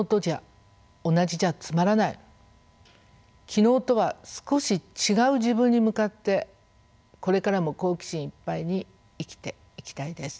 昨日とは少し違う自分に向かってこれからも好奇心いっぱいに生きていきたいです。